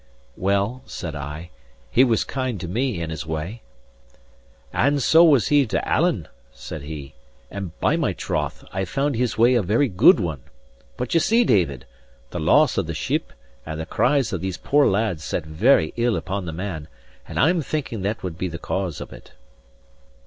"Well," said I, "he was kind to me in his way." "And so he was to Alan," said he; "and by my troth, I found his way a very good one! But ye see, David, the loss of the ship and the cries of these poor lads sat very ill upon the man; and I'm thinking that would be the cause of it."